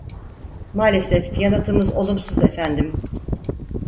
Maalesef yanıtımız olumsuz efendim.